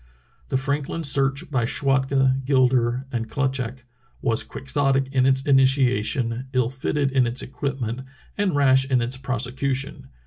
The Franklin Search by Schwatka, Gilder and Klut schak was quixotic in its initiation, ill fitted m its equipment, and rash in its prosecution.